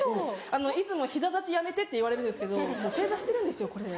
いつも「膝立ちやめて」って言われるんですけど正座してるんですよこれで。